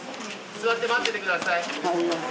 座って待っていてください。